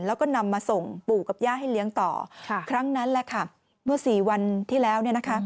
แล้วก็นำมาส่งปู่กับย่าให้เลี้ยงต่อครั้งนั้นแหละค่ะเมื่อ๔วันที่แล้ว